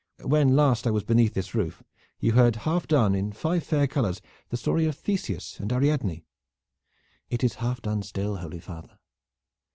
When last I was beneath this roof you had half done in five fair colors the story of Theseus and Ariadne." "It is half done still, holy father."